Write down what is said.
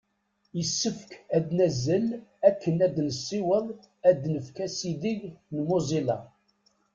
Issefk ad nazzel akken ad nessiweḍ ad nfak asideg n Mozilla.